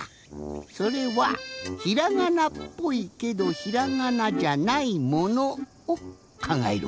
それはひらがなっぽいけどひらがなじゃないものをかんがえるおあそびじゃ。